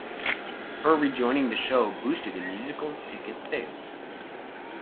Her rejoining the show boosted the musical's ticket sales.